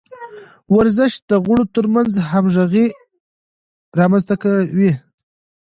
ورزش د غړو ترمنځ همغږي رامنځته کوي.